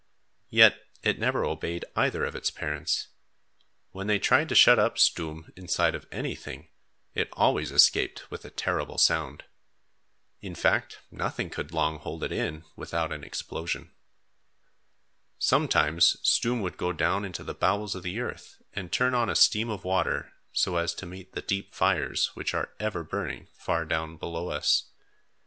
Yet it never obeyed either of its parents. When they tried to shut up Stoom inside of anything, it always escaped with a terrible sound. In fact, nothing could long hold it in, without an explosion. Sometimes Stoom would go down into the bowels of the earth and turn on a stream of water so as to meet the deep fires which are ever burning far down below us.